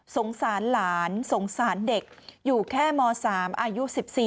สงสารหลานสงสารเด็กอยู่แค่ม๓อายุ๑๔